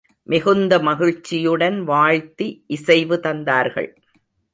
மிகுந்த மகிழ்ச்சியுடன் வாழ்த்தி இசைவு தந்தார்கள்.